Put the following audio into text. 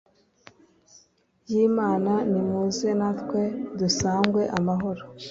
y'imana, nimuze natwe, dusangw'amahoro